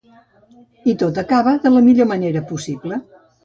I tot acaba de la millor manera possible.